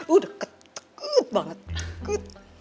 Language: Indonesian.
udah ketegut banget ketegut